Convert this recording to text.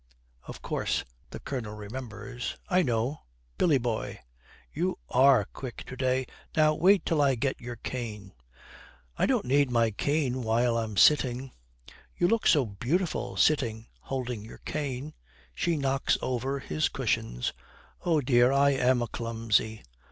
Of course the Colonel remembers. 'I know! Billy boy.' 'You are quick to day. Now, wait till I get your cane.' 'I don't need my cane while I'm sitting.' 'You look so beau'ful, sitting holding your cane.' She knocks over his cushions. 'Oh dear! I am a clumsy.'